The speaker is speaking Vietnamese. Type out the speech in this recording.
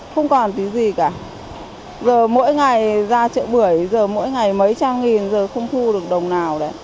không còn tí gì cả giờ mỗi ngày ra chợ bưởi giờ mỗi ngày mấy trang nghìn giờ không thu được đồng nào đấy